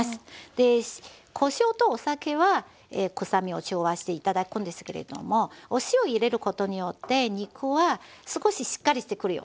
でこしょうとお酒は臭みを中和して頂くんですけれどもお塩入れることによって肉は少ししっかりしてくるよね。